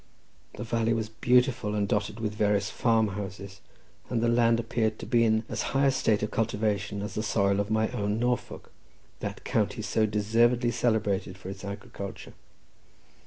The valley was beautiful, and dotted with various farm houses, and the land appeared to be in as high a state of cultivation as the soil of my own Norfolk—that county so deservedly celebrated for its agriculture.